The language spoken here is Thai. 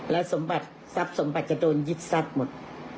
แล้วสมบัติทรัพย์สมบัติจะโดนยึดสัดหมด